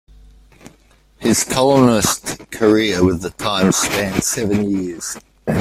His columnist career with the "Times" spanned seven years.